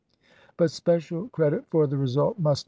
But special credit for the result must lses, p.